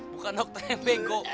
bukan dokternya yang bego